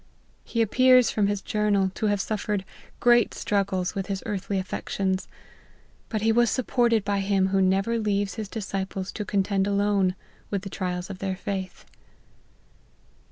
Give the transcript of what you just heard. He appears, from his Journal, to have suf :'ered great struggles with his earthly affections : but he was supported by Him who never leaves his disciples to contend alone with the trials of their faith.